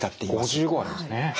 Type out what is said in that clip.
５５ありますね。